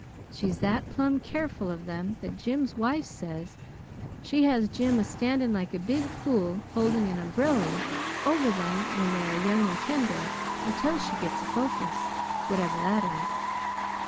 She's that plum careful of them that Jim's wife says she has Jim a standin' like a big fool holding an ombrelly over them when they are young and tender until she gets a focus, whatever that is.